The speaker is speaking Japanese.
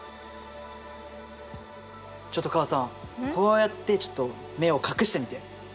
ちょっと母さんこうやってちょっと目を隠してみて。